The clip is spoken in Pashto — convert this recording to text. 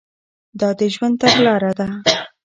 دا د ژوند تګلاره ده.